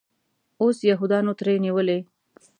اوس یهودانو ترې نیولی.